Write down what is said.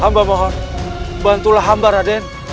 hambah mohon bantulah hamba raden